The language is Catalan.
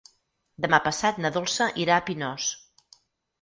Demà passat na Dolça irà a Pinós.